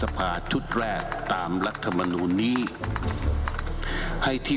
พวกคนวางมือกันหมด